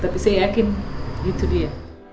tapi saya yakin itu dia